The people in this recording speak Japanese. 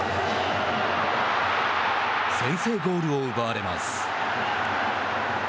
先制ゴールを奪われます。